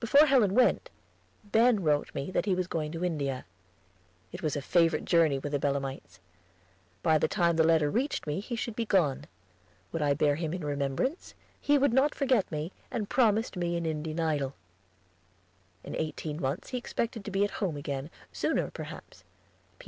Before Helen went, Ben wrote me that he was going to India. It was a favorite journey with the Belemites. By the time the letter reached me he should be gone. Would I bear him in remembrance? He would not forget me, and promised me an Indian idol. In eighteen months he expected to be at home again; sooner, perhaps.